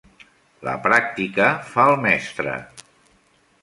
La pràctica fa el mestre.